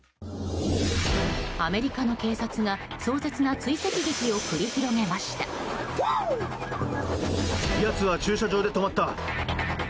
アメリカの警察が壮絶な追跡劇を繰り広げました。